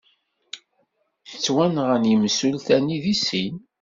Ttwenɣen yimsulta-nni deg sin.